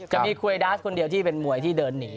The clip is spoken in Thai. จะมีคุยดาสคนเดียวที่เป็นมวยที่เดินหนี